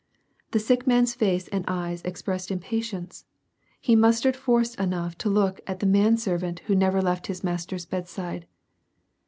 The sick man's face and eyes expressed impatience. He mustered force enough to look at the man servant who never left his master's bedside.